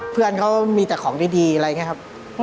เพื่อนเขามีแต่ของดีอะไรอย่างนี้ครับ